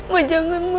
ma jangan ma